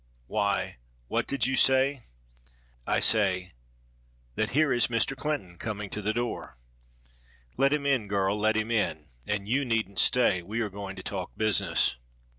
"Why, what did you say?" "I say that here is Mr. Clinton coming to the door." "Let him in, girl, let him in. And you needn't stay. We are going to talk business."